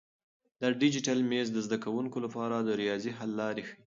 دا ډیجیټل مېز د زده کونکو لپاره د ریاضي حل لارې ښیي.